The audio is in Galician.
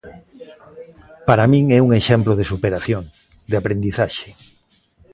Para min é un exemplo de superación, de aprendizaxe.